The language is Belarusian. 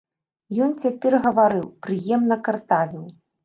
Ён цяпер гаварыў, прыемна картавіў.